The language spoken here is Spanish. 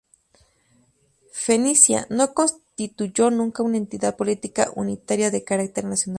Fenicia no constituyó nunca una entidad política unitaria de carácter nacional.